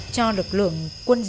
cho lực lượng quân dụng